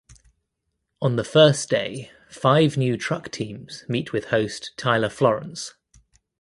On the first day five new truck teams meet with host Tyler Florence.